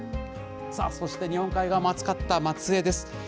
さあ、そして日本海側も暑かった、松江です。